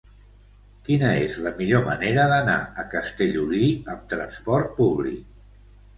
Quina és la millor manera d'anar a Castellolí amb trasport públic?